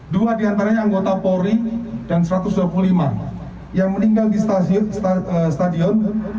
dua diantaranya anggota polri dan satu ratus dua puluh lima yang meninggal di stadion